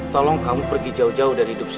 tolong kamu pergi jauh jauh dari hidup saya